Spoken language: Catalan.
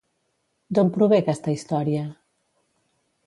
D'on prové aquesta història?